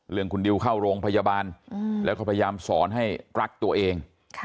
คุณดิวเข้าโรงพยาบาลแล้วก็พยายามสอนให้รักตัวเอง